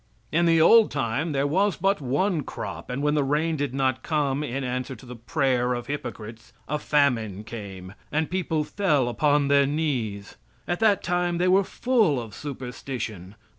In the old time there was but one crop; and when the rain did not come in answer to the prayer of hypocrites a famine came and people fell upon their knees. At that time they were full of superstition.